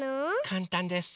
かんたんです。